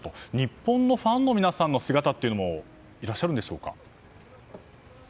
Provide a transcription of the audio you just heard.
日本のファンの皆さんの姿もいらっしゃるんでしょうか。